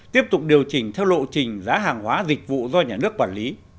tiếp tục điều chỉnh theo lộ trình giá hàng hóa dịch vụ do nhà nước quản lý